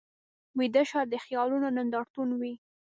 ویده شپه د خیالونو نندارتون وي